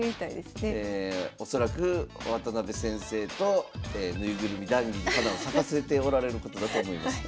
恐らく渡辺先生と縫いぐるみ談議に花を咲かせておられてることだと思います。